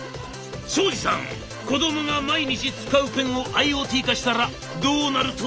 「長司さん子どもが毎日使うペンをＩｏＴ化したらどうなると思います？」。